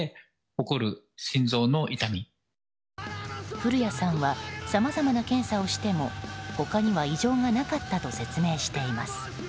降谷さんはさまざまな検査をしても他には異常がなかったと説明しています。